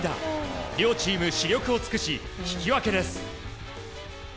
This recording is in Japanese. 両チーム死力を尽くし引き分けです。